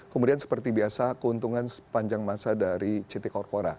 kemudian seperti biasa keuntungan sepanjang masa dari ct corpora